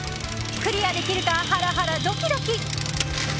クリアできるかハラハラドキドキ！